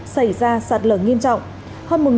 xảy ra sạt lở nghiêm trọng